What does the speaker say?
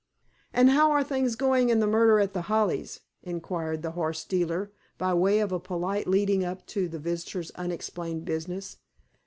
"And how are things going in the murder at The Hollies?" inquired the horse dealer, by way of a polite leading up to the visitor's unexplained business.